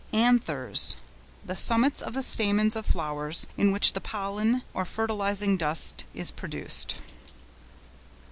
ANTHERS.—The summits of the stamens of flowers, in which the pollen or fertilising dust is produced.